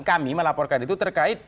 kami melaporkan itu terkait